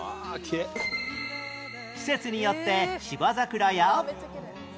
季節によって芝桜や